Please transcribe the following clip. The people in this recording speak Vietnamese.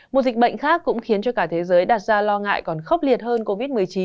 một dịch bệnh khác cũng khiến cho cả thế giới đặt ra lo ngại còn khốc liệt hơn covid một mươi chín